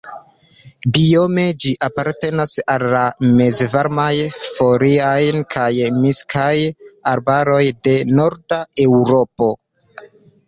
Biome ĝi apartenas al la mezvarmaj foliaj kaj miksaj arbaroj de Norda Eŭropo.